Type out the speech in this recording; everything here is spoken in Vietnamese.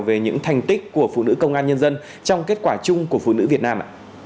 về những thành tích của phụ nữ công an nhân dân trong kết quả chung của phụ nữ việt nam